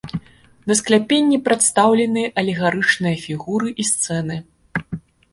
На скляпенні прадстаўлены алегарычныя фігуры і сцэны.